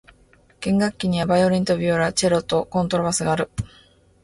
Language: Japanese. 弦楽器にはバイオリンとビオラ、チェロ、コントラバスがある。